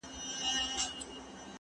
امادګي وکړه!.